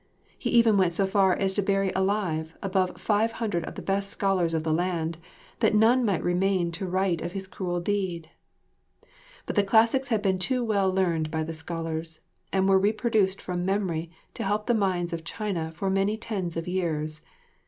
He even went so far as to bury alive above five hundred of the best scholars of the land, that none might remain to write of his cruel deed. But the classics had been too well learned by the scholars, and were reproduced from memory to help form the minds of China for many tens of years.